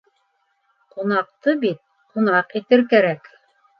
Ҡунаҡты бит... ҡунаҡ итер кәрәк.